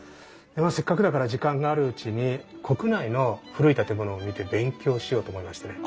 せっかくだから時間があるうちに国内の古い建物を見て勉強しようと思いましてね。